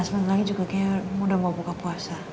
sebenernya juga kayak udah mau buka puasa